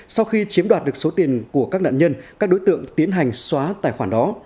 sau khi chiếm đoạt được số tiền của các nạn nhân các đối tượng tiến hành xóa tài khoản đó